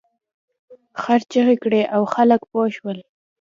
خر چیغې کړې او خلک پوه شول.